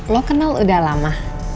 lo kenal udah lama